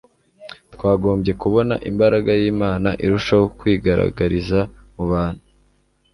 twagombye kubona imbaraga yImana irushaho kwigaragariza mu bantu